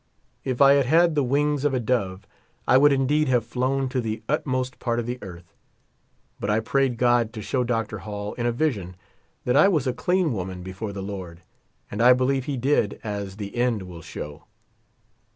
If I had had the wings of a dove I would indeed have flown to the utmost part of the earth. But I prayed God to show Dr. Hall in a vision, that I was a clean woman before the Lord : and I believe he did, as the end will show.